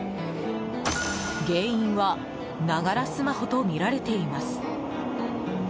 原因は、ながらスマホとみられています。